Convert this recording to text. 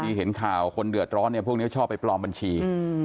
เห็นข่าวคนเดือดร้อนเนี่ยพวกนี้ชอบไปปลอมบัญชี